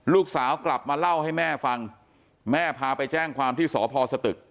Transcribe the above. ลูกสาวกลับมาเล่าให้แม่ฟังแม่พาไปแจ้งความที่สพสตึก